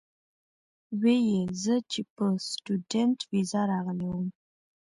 وې ئې زۀ چې پۀ سټوډنټ ويزا راغلی ووم